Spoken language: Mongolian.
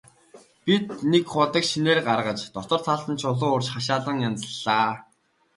Бид нэг худаг шинээр гаргаж, дотор талд нь чулуу өрж хашаалан янзаллаа.